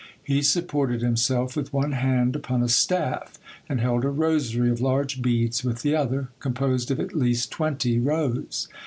He supported himself with one hand upon a staff, and held a rosary of large beads with the other, composed of at least twenty rows.